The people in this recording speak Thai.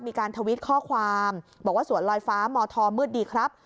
ทวิตข้อความบอกว่าสวนลอยฟ้ามธมืดดีครับ